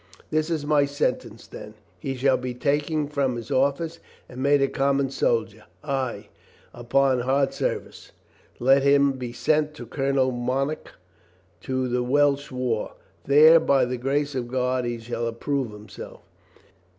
This is my sentence then : He shall be taken from his office and made a common soldier; ay, and upon hard service. Let him be sent to Colonel Monck to the Welsh war. There by the grace of God he shall approve himself.